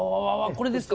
これですか？